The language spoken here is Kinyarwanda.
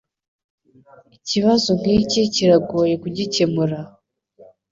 Ikibazo nkiki kiragoye kugikemura.